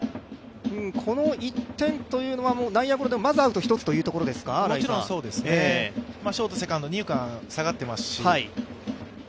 この１点というのは、内野ゴロでもまずアウト１つというところですかショート、セカンド、二遊間下がってますし。